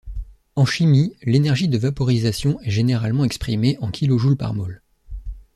En chimie, l'énergie de vaporisation est généralement exprimée en kilojoules par mole.